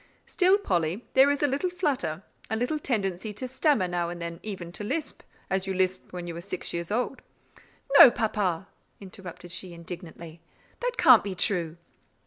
Still, Polly, there is a little flutter, a little tendency to stammer now and then, and even, to lisp as you lisped when you were six years old." "No, papa," interrupted she indignantly, "that can't be true."